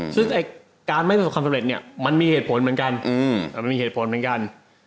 ซึ่งการไม่ประสบความสำเร็จมันมีเหตุผลเหมือนกัน